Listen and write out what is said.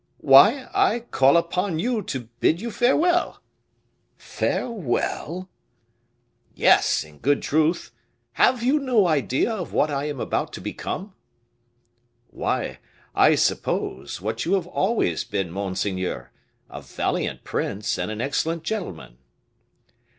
"Why, I call upon you to bid you farewell." "Farewell!" "Yes, in good truth. Have you no idea of what I am about to become?" "Why, I suppose, what you have always been, monseigneur, a valiant prince, and an excellent gentleman."